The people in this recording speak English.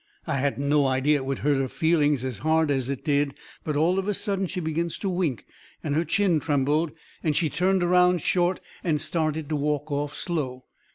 I hadn't no idea it would hurt her feelings as hard as it did. But all of a sudden she begins to wink, and her chin trembled, and she turned around short, and started to walk off slow.